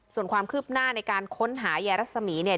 ส่วนความคืบหน้าในการค้นหายายรัศมีร์เนี่ย